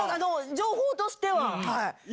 情報としては。